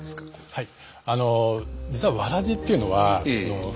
はい。